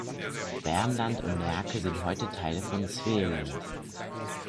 Värmland und Närke sind heute Teile von Svealand.